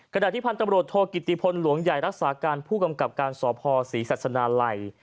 ขณะที่พันธุ์ตำรวจโทกิติพลหลวงใหญ่รักษาการผู้กำกับการสพศรีศาสนาลัย